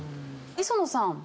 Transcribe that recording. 磯野さん